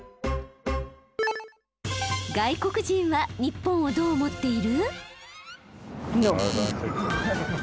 外国人は日本をどう思っている？